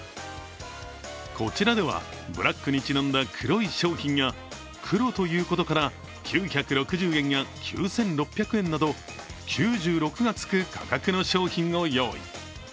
こちらでは、ブラックにちなんだ黒い商品や、黒ということから９６０円や９６００円など９６がつく価格の商品を用意。